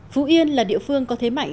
phú yên là địa phương có thế mạnh